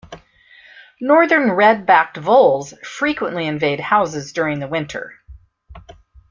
Northern red-backed voles frequently invade houses during the winter.